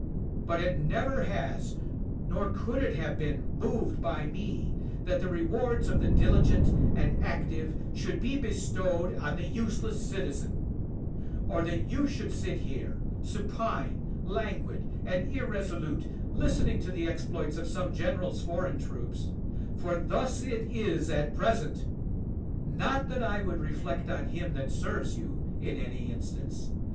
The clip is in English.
But it never has nor could it have been moved by me that the re wards of the diHgent and active should be bestowed on the useless citizen; or that you should sit here, supine, languid, and irresolute, listening to the exploits of some general's foreign troops, — for thus it is at present. Not that I would reflect on him that serves you, in any in stance.